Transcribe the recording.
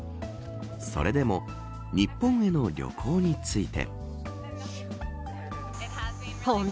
それでも日本への旅行について。